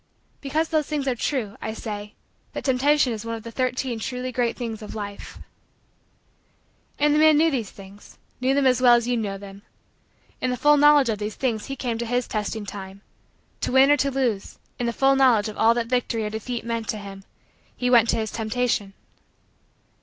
Because those things are true, I say: that Temptation is one of the Thirteen Truly Great Things of Life. And the man knew these things knew them as well as you know them. In the full knowledge of these things he came to his testing time. To win or to lose, in the full knowledge of all that victory or defeat meant to him, he went to his Temptation.